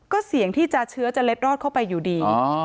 ก็เสี่ยงที่จะเชื้อจะเล็ดรอดเข้าไปอยู่ดี